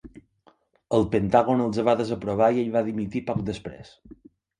El Pentàgon els va desaprovar i ell va dimitir poc després.